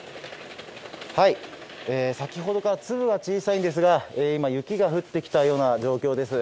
先ほどから粒は小さいんですが今、雪が降ってきたような状況です。